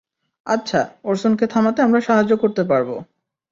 আচ্ছা, ওরসনকে থামাতে আমরা সাহায্য করতে পারব।